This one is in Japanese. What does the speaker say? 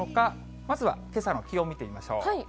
まずはけさの気温見てみましょう。